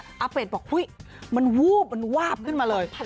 อาเป็ดบอกอุ๊ยมันวูบมันวาบขึ้นมาเลย